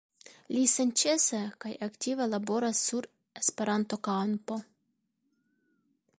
Li senĉese kaj aktive laboras sur E-kampo.